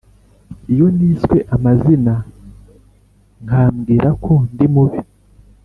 iyo niswe amazina nkambwira ko ndi mubi,